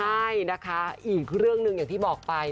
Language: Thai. ใช่นะคะอีกเรื่องหนึ่งอย่างที่บอกไป